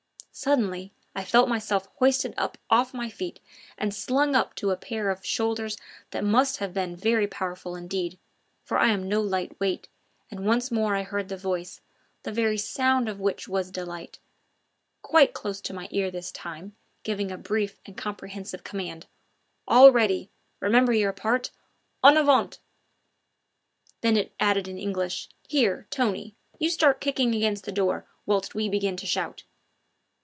Suddenly I felt myself hoisted up off my feet and slung up on to a pair of shoulders that must have been very powerful indeed, for I am no light weight, and once more I heard the voice, the very sound of which was delight, quite close to my ear this time, giving a brief and comprehensive command: "All ready! remember your part en avant!" Then it added in English. "Here, Tony, you start kicking against the door whilst we begin to shout!"